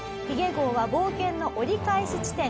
髭号は冒険の折り返し地点